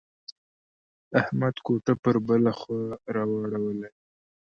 احمد کوټه پر بله خوا را اړولې ده.